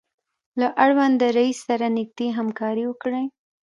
له اړونده رئیس سره نږدې همکاري وکړئ.